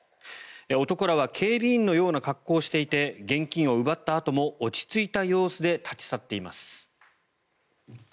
男らは警備員のような格好をしていて現金を奪ったあとも落ち着いた様子で立ち去っています。